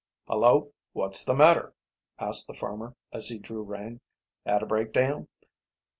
"Hullo, wot's the matter?" asked the farmer, as he drew rein. "Had a breakdown?"